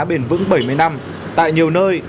bền vững bảy mươi năm tại nhiều nơi